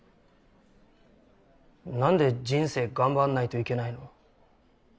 なんで人生頑張んないといけないの？